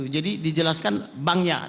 jadi dijelaskan banknya